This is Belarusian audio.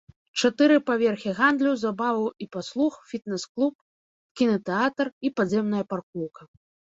Чатыры паверхі гандлю, забаваў і паслуг, фітнэс-клуб, кінатэатр і падземная паркоўка.